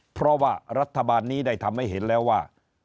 เพราะว่ารัฐบาลนี้ได้ทำให้เห็นแล้วว่า